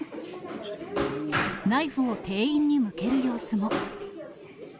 ナイフを店員に向ける様子も。